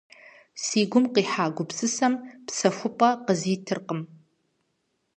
Си гум къихьа гупсысэм псэхупӀэ къызитыркъым.